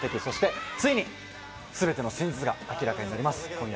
そしてついにすべての真実が明らかになります。